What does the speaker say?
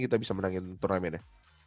kita bisa menangin turnamennya